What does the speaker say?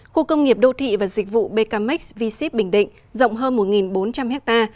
khu công nghiệp đô thị và dịch vụ becamex v ship bình định rộng hơn một bốn trăm linh ha